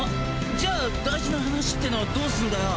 じゃあ大事な話ってのはどうすんだよ。